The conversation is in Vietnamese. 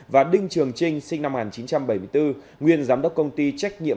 và đinh trường trinh sinh năm một nghìn chín trăm bảy mươi bốn nguyên giám đốc công ty trách nhiệm